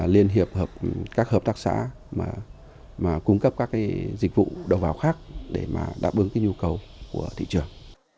liên hiệp các hợp tác xã mà cung cấp các cái dịch vụ đầu vào khác để mà đáp ứng cái nhu cầu của thị trường